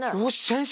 先生